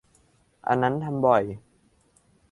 อันนั้นทำบ่อย.